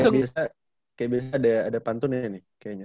kayak biasa ada pantun ya nih kayaknya